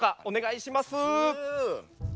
お願いします。